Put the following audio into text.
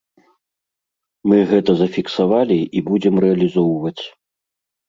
Мы гэта зафіксавалі і будзем рэалізоўваць.